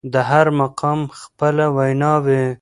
د هر مقام خپله وينا وي.